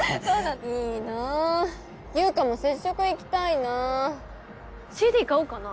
いいなぁ優佳も接触行きたいなぁＣＤ買おうかな